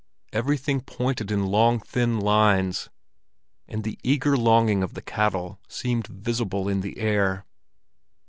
Everything pointed in long thin lines, and the eager longing of the cattle seemed visible in the air.